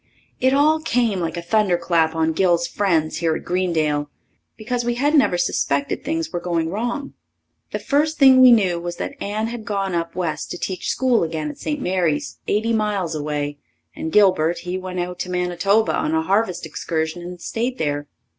It all came like a thunderclap on Gil's friends here at Greendale, because we hadn't ever suspected things were going wrong. The first thing we knew was that Anne had gone up west to teach school again at St. Mary's, eighty miles away, and Gilbert, he went out to Manitoba on a harvest excursion and stayed there.